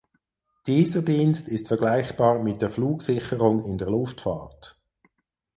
Dieser Dienst ist vergleichbar mit der Flugsicherung in der Luftfahrt.